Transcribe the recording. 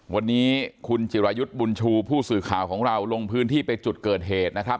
วันนี้คุณจิรายุทธ์บุญชูผู้สื่อข่าวของเราลงพื้นที่ไปจุดเกิดเหตุนะครับ